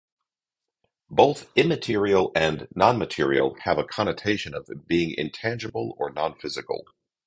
Both "immaterial" and "non-material" have a connotation of being intangible or non-physical.